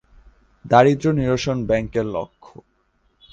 দারিদ্র্য নিরসন ব্যাংকের লক্ষ্য।